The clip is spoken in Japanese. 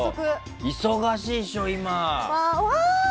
忙しいでしょ、今。